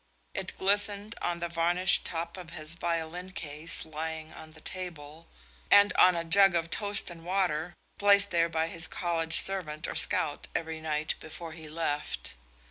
It glistened on the varnished top of his violin case lying on the table, and on a jug of toast and water placed there by his college servant or scout every night before he left.